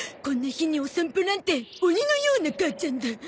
こんな日にお散歩なんて鬼のような母ちゃんだ。